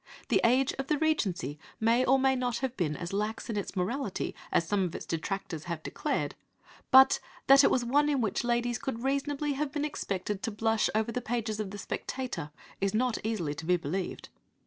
The age of the Regency may or may not have been as lax in its morality as some of its detractors have declared, but that it was one in which ladies could reasonably have been expected to blush over the pages of the Spectator is not easily to be believed.